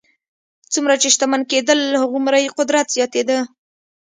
څومره چې شتمن کېدل هغومره یې قدرت زیاتېده.